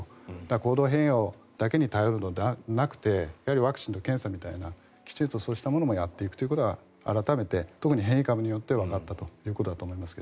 行動変容に頼るだけではなくてやはりワクチンと検査みたいなそうしたものをやっていくことが改めて特に変異株によってわかったということだと思いますが。